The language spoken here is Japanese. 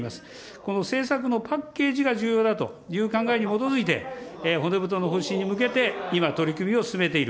この政策のパッケージが重要だという考えに基づいて、骨太の方針に向けて、今取り組みを進めている。